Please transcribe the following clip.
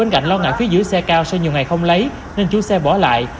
cảnh lo ngại phía giữ xe cao sau nhiều ngày không lấy nên chú xe bỏ lại